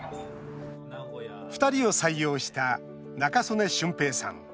２人を採用した仲宗根俊平さん。